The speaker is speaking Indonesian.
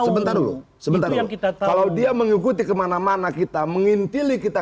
sebentar dulu sebentar kalau dia mengikuti kemana mana kita mengintili kita